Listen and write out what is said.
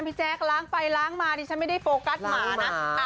แจ๊กล้างไปล้างมาดิฉันไม่ได้โฟกัสหมานะ